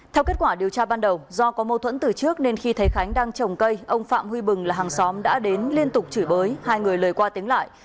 theo kết quả điều tra ban đầu do có mâu thuẫn từ trước nên khi thấy khánh đang trồng cây ông phạm huy bừng là hàng xóm đã đến liên tục chửi bới hai người lời qua tiếng lại